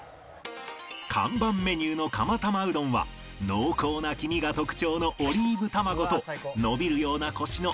看板メニューの釜たまうどんは濃厚な黄身が特徴のオリーブ卵と伸びるようなコシの熱々麺が相性抜群！